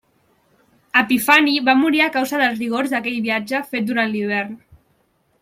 Epifani va morir a causa dels rigors d'aquell viatge fet durant l'hivern.